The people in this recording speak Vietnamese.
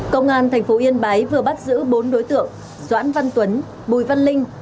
công an thành phố yên bái vừa bắt giữ bốn đối tượng doãn văn tuấn bùi văn linh